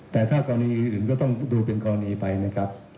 แต่ถ้ากรณีอื่นก็ต้องดูเป็นกรณีไปนะครับ